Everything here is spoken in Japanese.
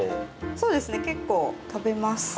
そうですね、結構食べます。